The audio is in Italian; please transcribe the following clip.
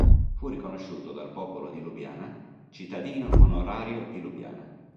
Fu riconosciuto dal popolo di Lubiana "cittadino onorario di Lubiana".